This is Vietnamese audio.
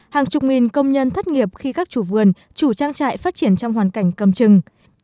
hàng chục nghìn công nhân thất nghiệp khi các chủ vườn chủ trang trại phát triển trong hoàn cảnh cầm chừng